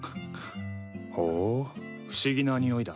ほう不思議なにおいだ。